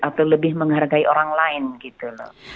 atau lebih menghargai orang lain gitu loh